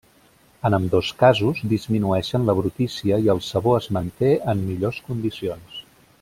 En ambdós casos disminueixen la brutícia i el sabó es manté en millors condicions.